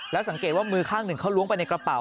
แล้วสังเกตว่ามือข้างหนึ่งเขาล้วงไปในกระเป๋า